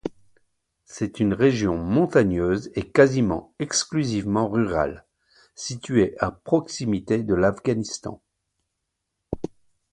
C'est une région montagneuse et quasiment exclusivement rurale, située à proximité de l'Afghanistan.